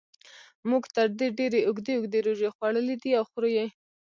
موږ تر دې ډېرې اوږدې اوږدې روژې خوړلې دي او خورو یې.